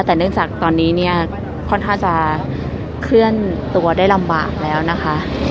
แต่เนื่องจากตอนนี้เนี่ยค่อนข้างจะเคลื่อนตัวได้ลำบากแล้วนะคะ